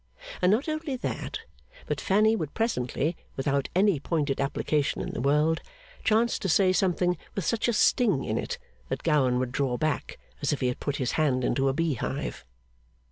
And not only that, but Fanny would presently, without any pointed application in the world, chance to say something with such a sting in it that Gowan would draw back as if he had put his hand into a bee hive.